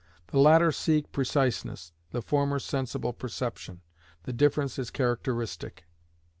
The latter seek preciseness, the former sensible perception. The difference is characteristic.